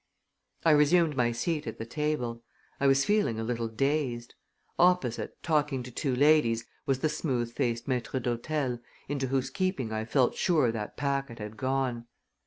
I resumed my seat at the table. I was feeling a little dazed. Opposite, talking to two ladies, was the smooth faced maître d'hôtel into whose keeping I felt sure that packet had gone.